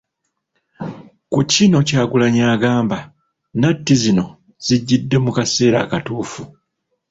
Ku kino Kyagulanyi agamba natti zino zijjidde mu kaseera akatuufu.